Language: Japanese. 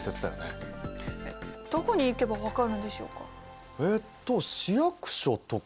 どこに行けば分かるのでしょうか？